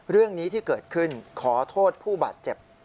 เรื่องนี้ที่เกิดขึ้นขอโทษผู้บาดเจ็บ